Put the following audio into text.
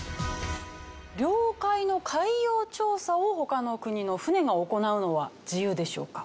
領海の海洋調査を他の国の船が行うのは自由でしょうか？